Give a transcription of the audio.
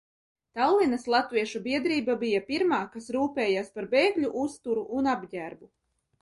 Tallinas latviešu biedrība bija pirmā, kas rūpējās par bēgļu uzturu un apģērbu.